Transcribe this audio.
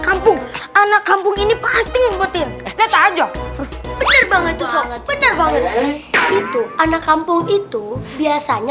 kampung anak kampung ini pasti ngebutin aja bener banget itu anak kampung itu biasanya